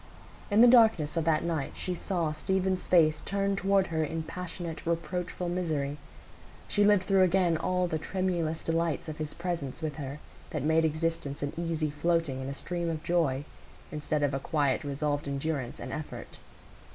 In the darkness of that night she saw Stephen's face turned toward her in passionate, reproachful misery; she lived through again all the tremulous delights of his presence with her that made existence an easy floating in a stream of joy, instead of a quiet resolved endurance and effort.